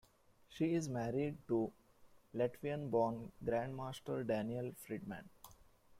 She is married to Latvian-born Grandmaster Daniel Fridman.